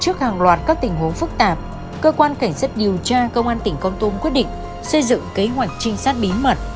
trước hàng loạt các tình huống phức tạp cơ quan cảnh sát điều tra công an tỉnh con tum quyết định xây dựng kế hoạch trinh sát bí mật